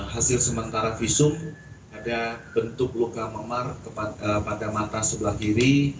hasil sementara visum ada bentuk luka memar pada mata sebelah kiri